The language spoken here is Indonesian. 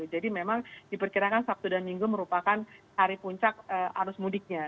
jadi memang diperkirakan sabtu dan minggu merupakan hari puncak arus mudiknya